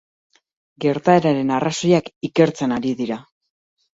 Gertaeraren arrazoiak ikertzen ari dira.